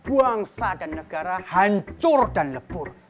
bangsa dan negara hancur dan lebur